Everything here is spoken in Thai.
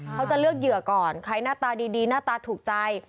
เขาจะเลือกเหยื่อก่อนใครหน้าตาดีหน้าตาถูกใจ